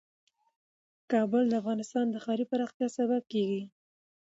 کابل د افغانستان د ښاري پراختیا سبب کېږي.